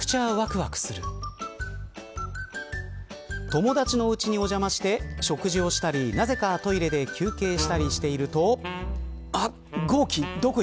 友達の家にお邪魔して食事をしたりなぜかトイレで休憩したりしていると。